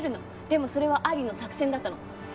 でもそれはアリの作戦だったの。